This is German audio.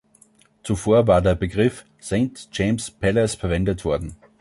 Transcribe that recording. Zuvor war der Begriff „Saint James's Palace“ verwendet worden.